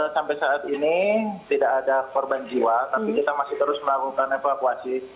sampai saat ini tidak ada korban jiwa tapi kita masih terus melakukan evakuasi